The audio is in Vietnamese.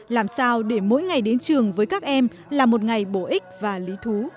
làm sao để mỗi ngày đến trường với các em là một ngày bổ ích và lý thú